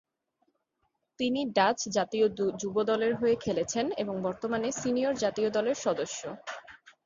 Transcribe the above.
তিনি ডাচ জাতীয় যুব দলের হয়ে খেলেছেন এবং বর্তমানে সিনিয়র জাতীয় দলের সদস্য।